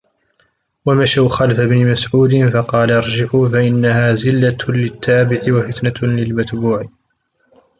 وَمَشَوْا خَلْفَ ابْنِ مَسْعُودٍ فَقَالَ ارْجِعُوا فَإِنَّهَا زِلَّةٌ لِلتَّابِعِ وَفِتْنَةٌ لِلْمَتْبُوعِ